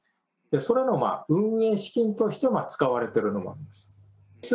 それの運営資金として使われてるのもあるんです。